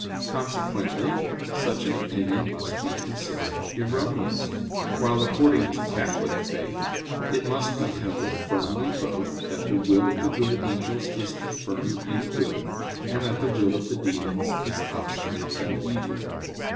Consequently such an opinion must be considered erroneous; while according to Catholic Faith, it must be held firmly both that the will of the good angels is confirmed in good, and that the will of the demons is obstinate in evil.